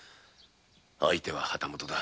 相手は旗本だ。